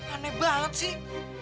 aneh banget sih